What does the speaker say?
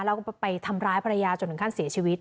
แล้วก็ไปทำร้ายภรรยาจนถึงขั้นเสียชีวิต